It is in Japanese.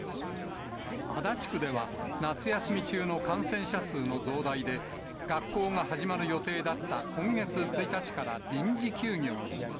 足立区では、夏休み中の感染者数の増大で、学校が始まる予定だった今月１日から臨時休業に。